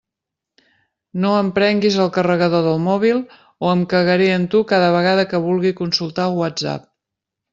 No em prenguis el carregador del mòbil o em cagaré en tu cada vegada que vulgui consultar el Whatsapp.